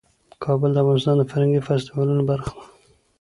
کابل د افغانستان د فرهنګي فستیوالونو برخه ده.